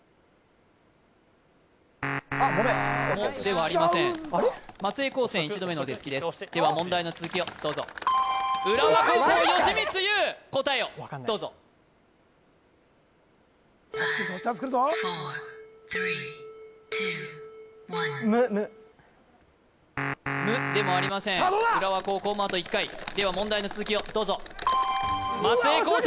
「も」ではありません松江高専一度目のお手つきですでは問題の続きをどうぞ浦和高校吉光由答えをどうぞむむ「む」でもありません浦和高校もあと１回では問題の続きをどうぞ松江高専